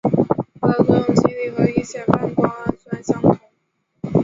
它的作用机理和乙酰半胱氨酸相同。